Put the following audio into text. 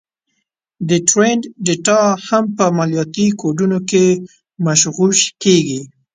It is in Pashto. د ټرینډ ډېټا هم په مالياتي کوډونو کې مغشوش کېږي